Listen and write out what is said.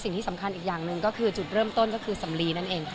สิ่งที่สำคัญอีกอย่างหนึ่งก็คือจุดเริ่มต้นก็คือสำลีนั่นเองค่ะ